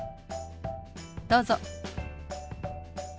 どうぞ。